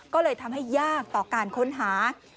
ก็เลยทำให้ยากต่อการค้นหา